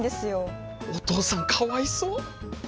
お父さんかわいそう。